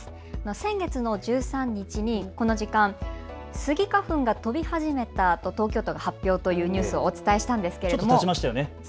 先月の１３日、この時間、スギ花粉が飛び始めたと東京都が発表というニュースをお伝えしたんですがちょっとたちましたよね。